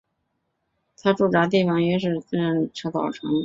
他驻扎地方约是社寮岛城。